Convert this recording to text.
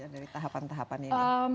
dari tahapan tahapan ini